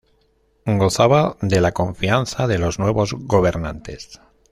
Gozaba de la confianza de los nuevos gobernantes.